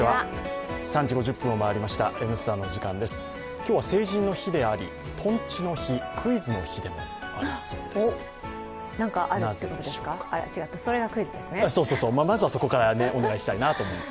今日は成人の日であり、とんちの日、クイズの日でもあるそうです。